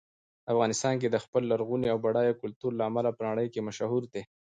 افغانستان د خپل لرغوني او بډایه کلتور له امله په نړۍ کې مشهور دی.